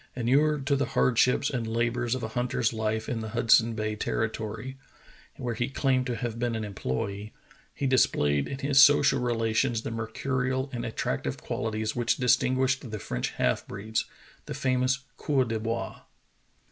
Inured to the hardships and labors of a hunter's life in the Hudson Bay terri tory, where he claimed to have been an employee, he How Woon Won Promotion iii displayed in his social relations the mercurial and attractive qualities which distinguish the French half breeds, the famous coureurs de bois.